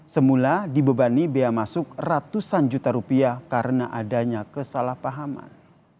semula dibebani bea masuk ratusan juta rupiah karena adanya kesalahpahaman